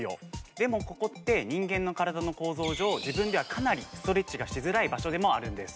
でもここって、人間の体の構造上、自分ではかなりストレッチしづらい場所ではあるんです。